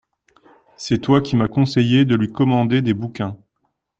C’est toi qui m’as conseillé de lui commander des bouquins.